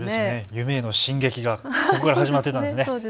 夢への進撃がここから始まっていたんですね。